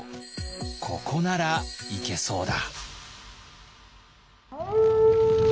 「ここならいけそうだ」。